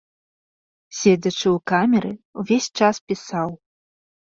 Седзячы ў камеры, увесь час пісаў.